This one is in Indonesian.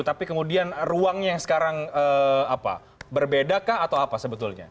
tapi kemudian ruangnya sekarang berbedakah atau apa sebetulnya